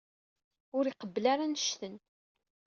Ur iqebbel ara baba annect-en.